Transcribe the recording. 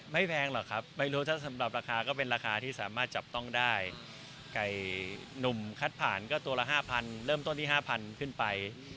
แพงหรอกครับไม่รู้ถ้าสำหรับราคาก็เป็นราคาที่สามารถจับต้องได้ไก่หนุ่มคัดผ่านก็ตัวละ๕๐๐เริ่มต้นที่๕๐๐ขึ้นไป